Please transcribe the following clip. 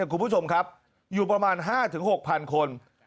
คุณผู้ชมครับอยู่ประมาณ๕๖๐๐คน